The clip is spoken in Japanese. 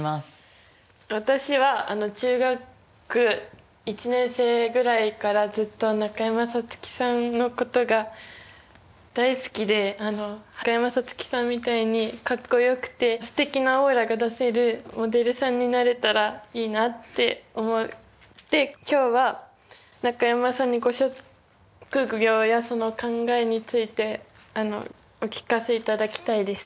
私は中学１年生ぐらいからずっと中山咲月さんのことが大好きで中山咲月さんみたいにかっこよくてすてきなオーラが出せるモデルさんになれたらいいなって思って今日は中山さんにご職業やその考えについてお聞かせいただきたいです。